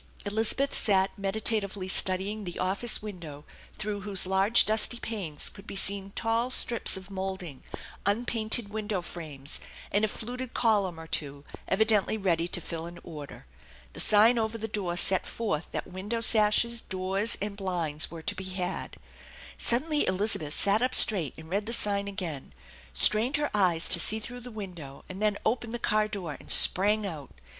Elizabeth sat meditatively studying the office window through whose large dusty panes could be seen tall strips of THE ENCHANTED BARN 87 moulding, unpainted window frames, and a fluted column or two, evidently ready to fill an order. The sign over the door et forth that window sashes, doors, and blinds were to be had Suddenly Elizabeth sat up straight and read the sign again, gtrained her eyes to see through the window, and then opened the car door and sprang out.